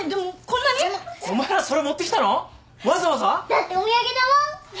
だってお土産だもん。